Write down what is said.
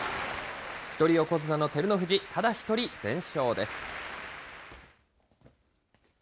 一人横綱の照ノ富士、ただ一人全勝です。